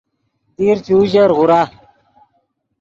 دیر چے اوژر غورا